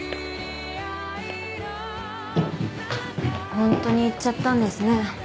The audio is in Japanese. ホントに行っちゃったんですね。